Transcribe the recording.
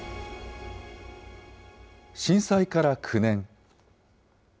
震災から９年。